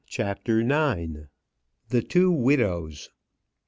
CHAPTER IX. THE TWO WIDOWS.